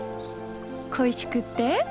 恋しくて？